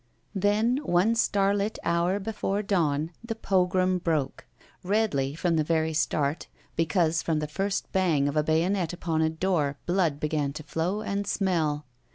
Then one starlit hour before dawn the pogrom broke. Redly, from the very start, because from 224 ROULETTE the first bang of a bayonet upon a door blood b^an to flow and smell.